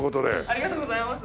ありがとうございます。